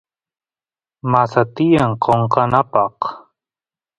masa tiyan qoqanapaq